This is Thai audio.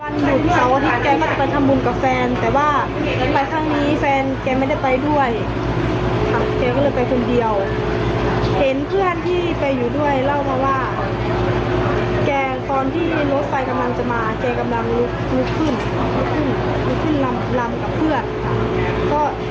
ทำบุญกับแฟนแต่ว่าไปทางนี้แฟนแกไม่ได้ไปด้วยเขาเลยไปคน